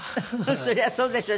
そりゃそうでしょ。